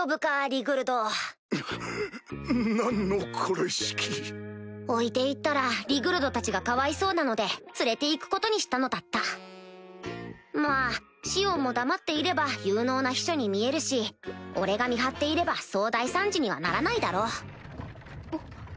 リグルドうっ何のこれしき置いて行ったらリグルドたちがかわいそうなので連れて行くことにしたのだったまぁシオンも黙っていれば有能な秘書に見えるし俺が見張っていればそう大惨事にはならないだろうあっ